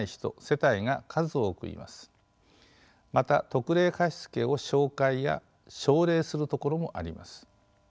また特例貸付を紹介や奨励する所もあります。